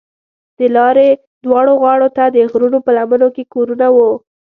د لارې دواړو غاړو ته د غرونو په لمنو کې کورونه وو.